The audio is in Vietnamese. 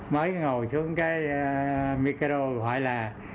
mới ngồi xuống cái micro gọi là